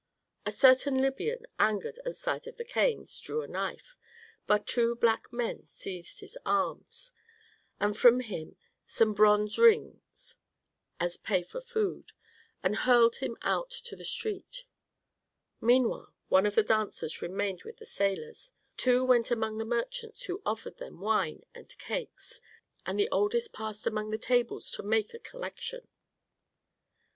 A certain Libyan, angered at sight of the canes, drew a knife, but two black men seized his arms, took from him some bronze rings as pay for food, and hurled him out to the street. Meanwhile one of the dancers remained with the sailors, two went among the merchants who offered them wine and cakes, and the oldest passed among the tables to make a collection.